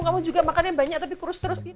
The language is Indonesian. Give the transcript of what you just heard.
kamu juga makan yang banyak tapi kurus terus gitu